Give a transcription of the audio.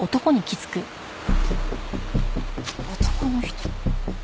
男の人。